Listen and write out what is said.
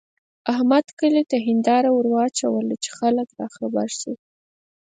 احمد کلي ته هېنداره ور واچوله چې خلګ راخبر شي.